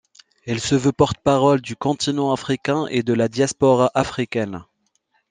Elle se veut porte-parole du continent africain et de la diaspora africaine.